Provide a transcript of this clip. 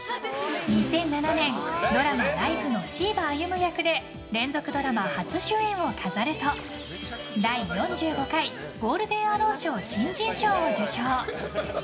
２００７年ドラマ「ライフ」の椎葉歩役で連続ドラマ初主演を飾ると第４５回ゴールデン・アロー賞新人賞を受賞。